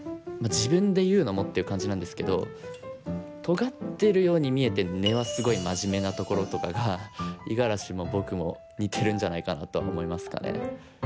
自分で言うのもっていう感じなんですけどとがってるように見えて根はすごいマジメなところとかが五十嵐も僕も似てるんじゃないかなとは思いますかね。